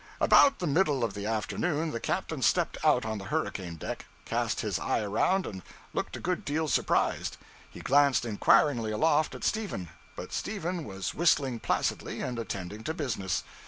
About the middle of the afternoon the captain stepped out on the hurricane deck, cast his eye around, and looked a good deal surprised. He glanced inquiringly aloft at Stephen, but Stephen was whistling placidly, and attending to business.